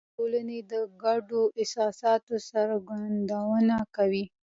مېلې د ټولني د ګډو احساساتو څرګندونه کوي.